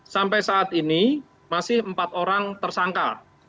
sampai saat ini masih empat orang tersangka